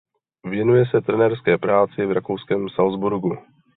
Věnuje se trenérské práci v rakouském Salzburgu.